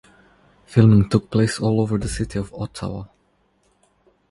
Filming took place all over the city of Ottawa.